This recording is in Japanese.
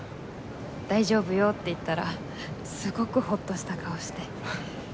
大丈夫よって言ったらすごくホッとした顔して。